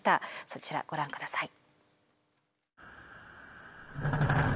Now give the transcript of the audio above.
そちらご覧下さい。